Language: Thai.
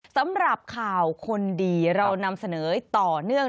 สำหรับข่าวคนดีเรานำเสนอต่อเนื่อง